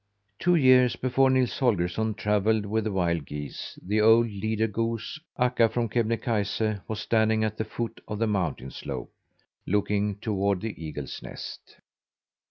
Two years before Nils Holgersson travelled with the wild geese the old leader goose, Akka from Kebnekaise, was standing at the foot of the mountain slope looking toward the eagle's nest.